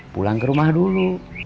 pulang ke rumah dulu